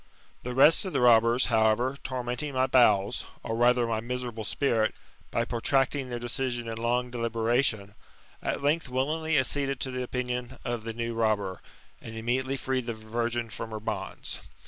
The rest of the robbers, however, tormenting my bowels, or rather my miserable spirit, by protracting their decision in long deliberation, at length willingly acceded t6 the opinion of the new robber, and immediately freed the* virgin from her bonds.